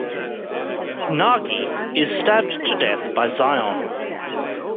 Nagi is stabbed to death by Xion.